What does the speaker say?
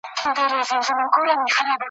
افغانستان د آسیا زړه بلل کېږي.